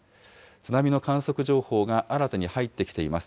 津波の観測情報が新たに入ってきています。